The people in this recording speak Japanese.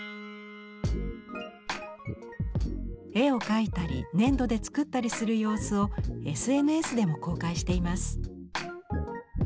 絵を描いたり粘土で作ったりする様子をＳＮＳでも公開しています。